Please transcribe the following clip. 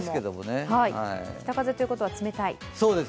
北風ということは冷たい？